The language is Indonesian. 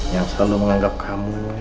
yang selalu menganggap kamu